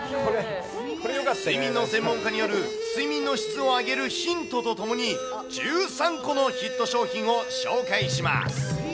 睡眠の専門家による、睡眠の質を上げるヒントとともに、１３個のヒット商品を紹介します。